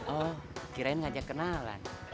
oh kirain ngajak kenalan